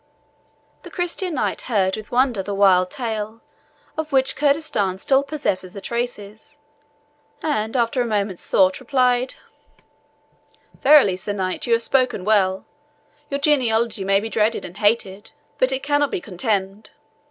The Christian knight heard with wonder the wild tale, of which Kurdistan still possesses the traces, and, after a moment's thought, replied, "Verily, Sir Knight, you have spoken well your genealogy may be dreaded and hated, but it cannot be contemned.